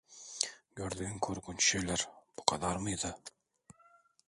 Gördüğün korkunç şeyler bu kadar mıydı?